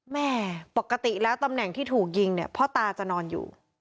แม่ปกติแล้วตำแหน่งที่ถูกยิงเนี่ยพ่อตาจะนอนอยู่